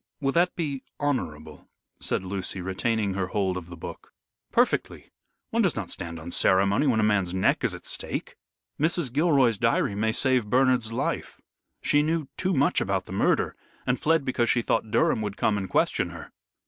"Will that be honorable?" said Lucy, retaining her hold of the book. "Perfectly. One does not stand on ceremony when a man's neck is at stake. Mrs. Gilroy's diary may save Bernard's life. She knew too much about the murder, and fled because she thought Durham would come and question her."